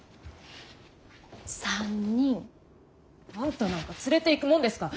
あんたなんか連れていくもんですか。